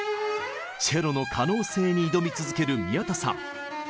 チェロの可能性に挑み続ける宮田さん。